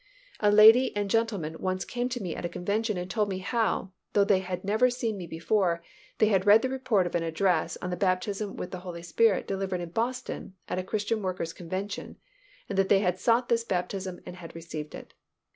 A lady and gentleman once came to me at a convention and told me how, though they had never seen me before, they had read the report of an address on the Baptism with the Holy Spirit delivered in Boston at a Christian Workers' Convention and that they had sought this baptism and had received it.